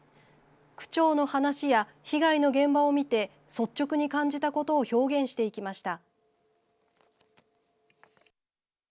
区長の話や被害の現場を見て率直に感じたことを表現していきました。